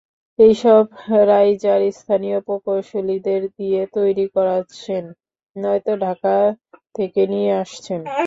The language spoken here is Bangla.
এসব রাইজার স্থানীয় প্রকৌশলীদের দিয়ে তৈরি করাচ্ছেন, নয়তো ঢাকা থেকে নিয়ে আসছেন।